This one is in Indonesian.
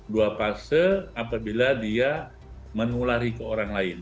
dua fase apabila dia menulari ke orang lain